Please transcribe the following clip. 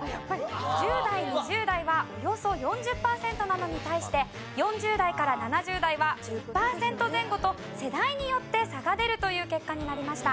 １０代２０代はおよそ４０パーセントなのに対して４０代から７０代は１０パーセント前後と世代によって差が出るという結果になりました。